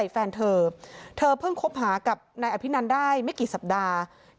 แฟนเธอเธอเพิ่งคบหากับนายอภินันได้ไม่กี่สัปดาห์